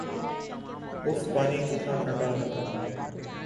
if پانی کتنا ٹھنڈا ہے